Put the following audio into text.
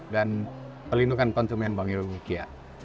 dan pelindungan konsumen bangil bukia